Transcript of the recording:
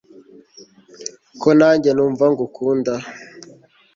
ko na njye numva ngukunda